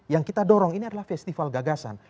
yang kita dorong ini adalah festival gagasan